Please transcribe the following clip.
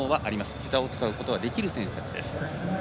ひざを使うことはできる選手たち。